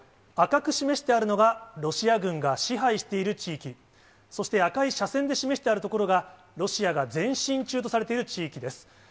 赤く示してあるのが、ロシア軍が支配している地域、そして、赤い斜線で示してある所が、ロシアが前進中とされている地域です。